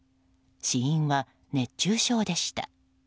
死因は熱中症でした。